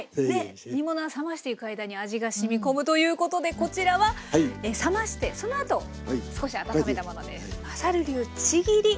煮物は冷ましていく間に味がしみ込むということでこちらは冷ましてそのあと少し温めたものです。